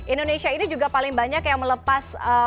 indonesia ini juga paling banyak yang melepas